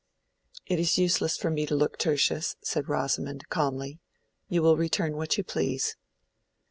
"It is useless for me to look, Tertius," said Rosamond, calmly; "you will return what you please."